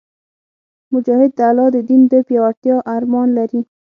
مجاهد د الله د دین د پیاوړتیا ارمان لري.